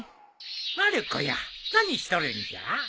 まる子や何しとるんじゃ？